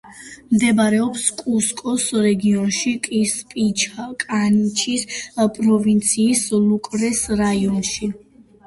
მდებარეობს კუსკოს რეგიონში, კისპიკანჩის პროვინციის ლუკრეს რაიონში.